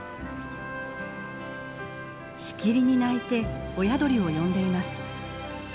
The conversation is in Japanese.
しきりに鳴いて親鳥を呼んでいます。